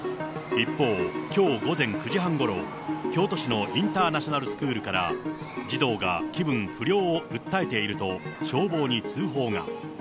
一方、きょう午前９時半ごろ、京都市のインターナショナルスクールから、児童が気分不良を訴えていると、消防に通報が。